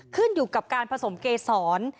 ขึ้นอยู่กับการผสมเกษร